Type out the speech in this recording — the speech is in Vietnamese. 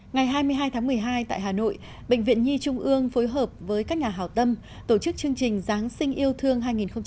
ngày hai mươi hai tháng một mươi hai tại hà nội bệnh viện nhi trung ương phối hợp với các nhà hào tâm tổ chức chương trình giáng sinh yêu thương hai nghìn một mươi chín